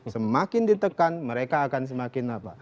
semakin ditekan mereka akan semakin apa